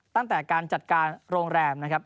ตั้งแต่การจัดการโรงแรมนะครับ